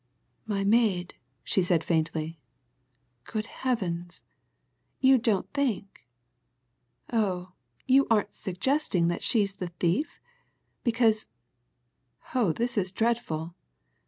"My maid!" she said faintly. "Good heavens! you don't think oh, you aren't suggesting that she's the thief? Because oh, this is dreadful!